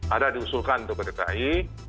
ada diusulkan untuk ke dki